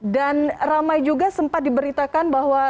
dan ramai juga sempat diberitakan bahwa